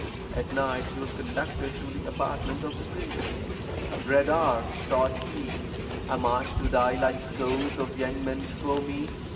At night he was conducted to the apartment of the princess. "Dread hour!" thought he; "am I to die like the scores of young men before me?"